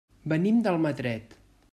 Venim d'Almatret.